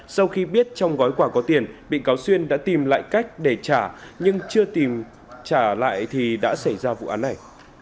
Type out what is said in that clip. sau khi biết trong gói quà có tiền bị cáo xuyên đã tìm lại cách để trả nhưng chưa tìm trả lại thì đã xảy ra vụ án này